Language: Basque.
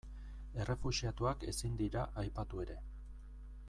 Errefuxiatuak ezin dira aipatu ere.